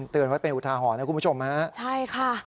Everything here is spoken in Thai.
เตือนว่าเป็นอุทธาหรณ์นะคุณผู้ชมนะครับใช่ค่ะ